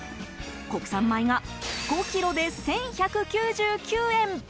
国産米が５ｋｇで、１１９９円。